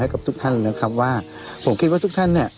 กับทุกท่านนะครับว่าผมคิดว่าทุกท่านเนี่ย